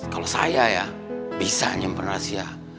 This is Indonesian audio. kalau saya ya bisa nyimpan rahasia